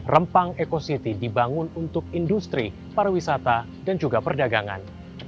rempang ekositi dibangun untuk industri pariwisata dan juga perdagangan